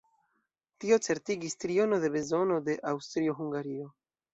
Tio certigis triono de bezono de Aŭstrio-Hungario.